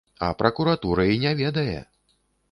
А пракуратура і не ведае!